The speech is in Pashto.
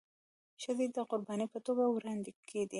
ښځي د قرباني په توګه وړاندي کيدي.